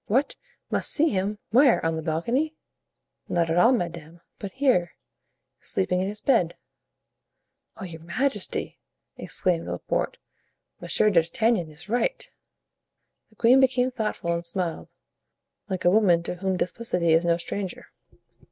"What! must see him! Where—on the balcony?" "Not at all, madame, but here, sleeping in his bed." "Oh, your majesty," exclaimed Laporte, "Monsieur d'Artagnan is right." The queen became thoughtful and smiled, like a woman to whom duplicity is no stranger.